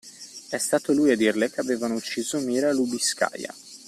È stato lui a dirle che avevano ucciso Mira Lubiskaja.